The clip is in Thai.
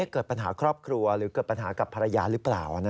เกิดปัญหาครอบครัวหรือเกิดปัญหากับภรรยาหรือเปล่า